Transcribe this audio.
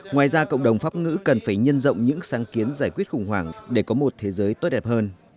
ngoài ra cộng đồng pháp ngữ cần phải nhân rộng những sáng kiến giải quyết khủng hoảng để có một thế giới tốt đẹp hơn